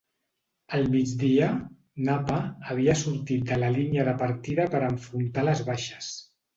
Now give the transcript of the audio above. Al migdia, "Napa" havia sortit de la línia de partida per a enfrontar les baixes.